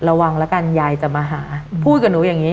ระวังแล้วกันยายจะมาหาพูดกับหนูอย่างนี้